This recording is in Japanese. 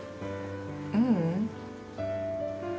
ううん。